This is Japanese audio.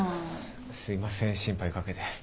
すいません心配かけて。